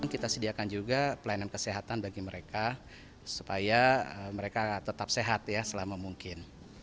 kita sediakan juga pelayanan kesehatan bagi mereka supaya mereka tetap sehat ya selama mungkin